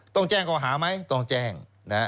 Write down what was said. ต้องแจ้งก่อหาไหมต้องแจ้ง